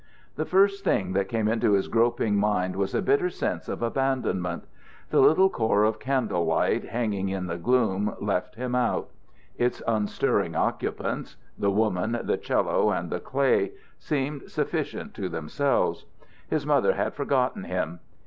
The first thing that came into his groping mind was a bitter sense of abandonment. The little core of candle light hanging in the gloom left him out. Its unstirring occupants, the woman, the 'cello, and the clay, seemed sufficient to themselves. His mother had forgotten him.